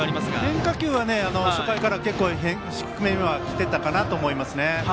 変化球は、初回から結構低めには来ていたかなと思います。